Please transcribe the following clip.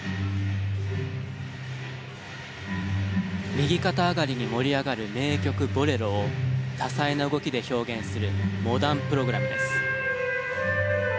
右肩上がりに盛り上がる名曲『ボレロ』を多彩な動きで表現するモダンプログラムです。